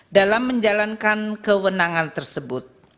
dalam menjalankan kewenangan tersebut